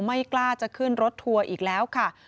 ไม่กล้าจะขึ้นรถทัวร์อีกแล้วค่ะ